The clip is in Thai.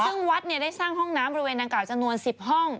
ซึ่งวัดได้สร้างห้องน้ำบริเวณดังกล่าจำนวน๑๐ห้อง